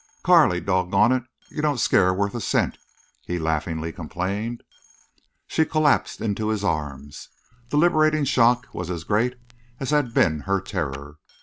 "Carley, dog gone it! You don't scare worth a cent," he laughingly complained. She collapsed into his arms. The liberating shock was as great as had been her terror.